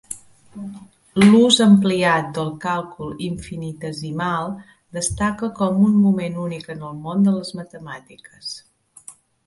L'ús ampliat del càlcul infinitesimal destaca com un moment únic en el món de les matemàtiques.